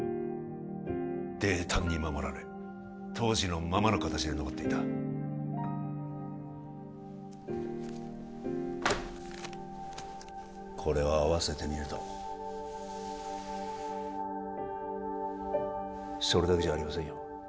泥炭に守られ当時のままの形で残っていたこれを合わせてみるとそれだけじゃありませんよ